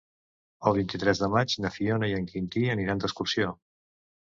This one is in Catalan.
El vint-i-tres de maig na Fiona i en Quintí aniran d'excursió.